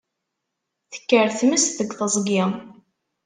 Tekker tmes deg teẓgi.